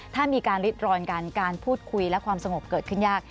ถ้ามีการริดร้อนกันการพูดคุยและความสงบเกิดขึ้นยาก